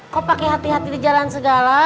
kok pakai hati hati di jalan segala